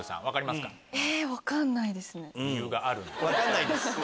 分かんないです。